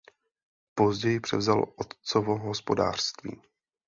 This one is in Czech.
Později převzal otcovo hospodářství.